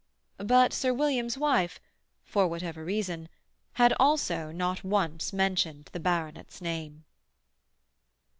But Sir William's wife, for whatever reason, had also not once mentioned the baronet's name.